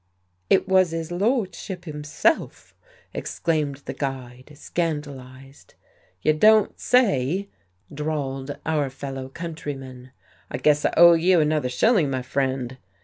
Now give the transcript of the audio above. "It was 'is lordship himself!" exclaimed the guide, scandalized. "You don't say!" drawled our fellow countryman. "I guess I owe you another shilling, my friend."